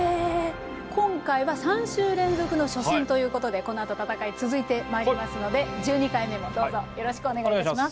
今回は３週連続の初戦ということでこのあと戦い続いてまいりますので１２回目もどうぞよろしくお願いします。